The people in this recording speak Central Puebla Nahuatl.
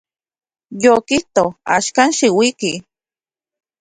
Yokijto; axkan, xiuiki.